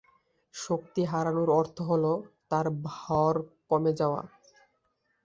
শক্তি হারানোর অর্থ হল তার ভর কমে যাওয়া।